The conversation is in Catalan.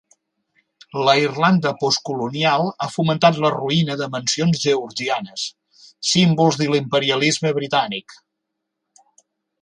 La Irlanda postcolonial ha fomentat la ruïna de mansions georgianes, símbols de l'imperialisme britànic.